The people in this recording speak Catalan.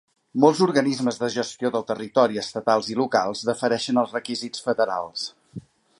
Molts organismes de gestió del territori estatals i locals defereixen als requisits federals.